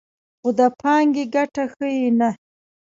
خو د پانګې ګټه ښیي نه